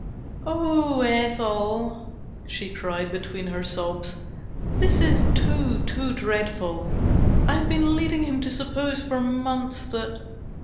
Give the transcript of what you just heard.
" Oh ! Ethel," she cried, between her sobs, "this is too, too dreadful. I've been leading him to suppose for months that